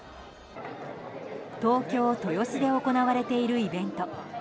東京・豊洲で行われているイベント。